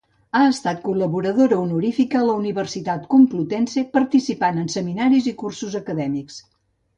Ha estat col·laboradora honorífica a la Universitat Complutense participant en seminaris i cursos acadèmics.